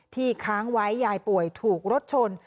ค้างไว้ยายป่วยถูกรถชน